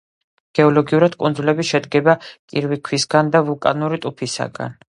გეოლოგიურად კუნძულები შედგება კირქვისაგან და ვულკანური ტუფისაგან.